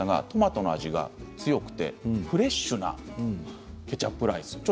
トマトの味が強くてフレッシュなケチャップライス。